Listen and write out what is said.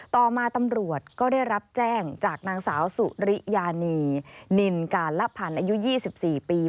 ต่อมาตำรวจก็ได้รับแจ้งจากนางสาวสุริยานีนินการละพันธ์อายุ๒๔ปี